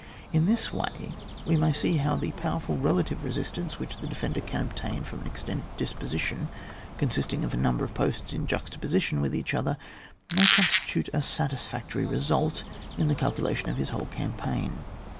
In this way we may see how the powerful relative resistance which the defender can obtain from an extended disposition, consisting of a number of posts in juxtaposition with each other, may constitute a satisfactory result in the calculation of his whole campaign.